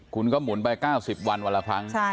คุณก็หมุนไป๙๐วันวันละครั้ง